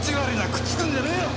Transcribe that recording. くっつくんじゃねえよ！